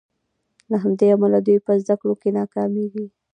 له همدې امله دوی په زدکړو کې ناکامیږي.